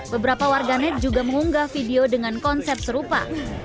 beberapa warganet juga mengunggah video dengan konsep serupa